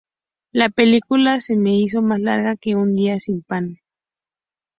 La película se me hizo más larga que un día sin pan